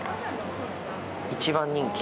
一番人気。